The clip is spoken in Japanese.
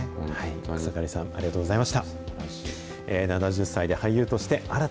草刈さん、ありがとうございました。